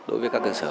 đối với các cơ sở